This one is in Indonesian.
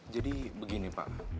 jadi begini pak